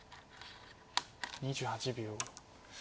２８秒。